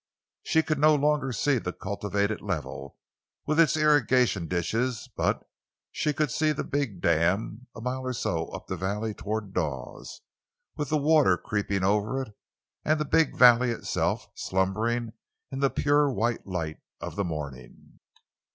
She could no longer see the cultivated level, with its irrigation ditches, but she could see the big dam, a mile or so up the valley toward Dawes, with the water creeping over it, and the big valley itself, slumbering in the pure, white light of the morning.